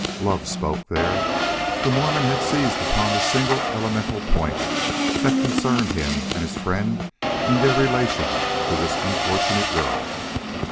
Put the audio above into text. Love spoke there. The Mormon had seized upon the single elemental point that concerned him and his friend in their relation to this unfortunate girl.